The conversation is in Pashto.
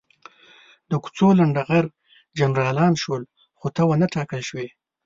د کوڅو لنډه غر جنرالان شول، خو ته ونه ټاکل شوې.